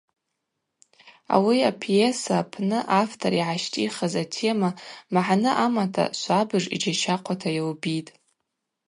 Ауи апьеса апны автор йгӏащтӏихыз атема магӏны амата, швабыж йджьащахъвата йылбитӏ.